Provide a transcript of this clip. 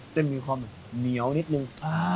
เส้นมีความเหนียวนิดนึง